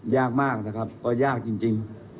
ยากมากนะครับก็ยากจริง